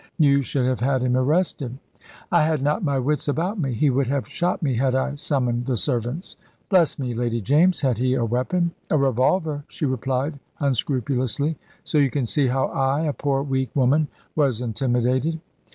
"You should have had him arrested." "I had not my wits about me. He would have shot me had I summoned the servants." "Bless me, Lady James, had he a weapon?" "A revolver," she replied, unscrupulously; "so you can see how I a poor weak woman was intimidated."